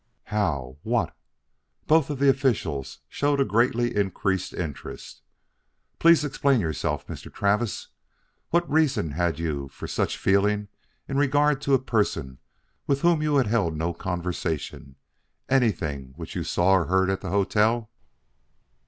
"How? What?" Both of the officials showed a greatly increased interest. "Please explain yourself, Mr. Travis. What reason had you for any such feeling in regard to a person with whom you had held no conversation? Anything which you saw or heard at the hotel?"